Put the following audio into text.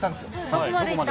どこまで行った？